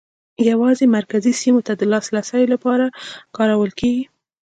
یوازې مرکزي سیمو ته د لاسرسي لپاره کارول کېږي.